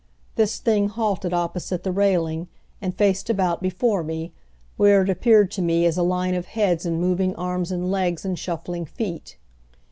This thing halted opposite the railing, and faced about before me, where it appeared to me as a line of heads and moving arms and legs and shuffling feet.